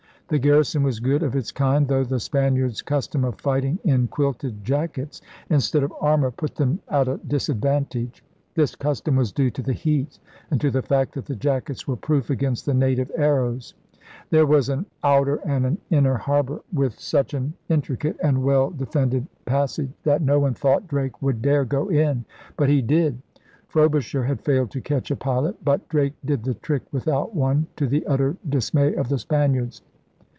The garrison was good of its kind, though the Spaniards' custom of fighting in quilted jackets instead of armor put them at a disadvantage. This custom was due to the heat and to the fact that the jackets were proof against the native arrows. There was an outer and an inner harbor, with 160 ELIZABETHAN SEA DOGS such an intricate and well defended passage that no one thought Drake would dare go in. But he did. Frobisher had failed to catch a pilot. But Drake did the trick without one, to the utter dis may of the Spaniards.